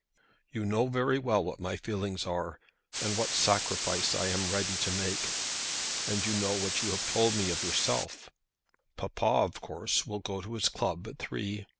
You know very well what my feelings are, and what sacrifice I am ready to make. And you know what you have told me of yourself. I shall be at home all this afternoon. Papa, of course, will go to his club at three.